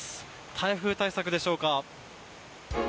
台風対策でしょうか。